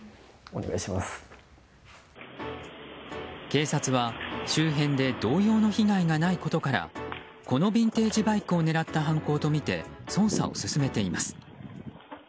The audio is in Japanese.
警察は周辺で同様の被害がないことからこのビンテージバイクを狙った犯行とみて捜査を進めています。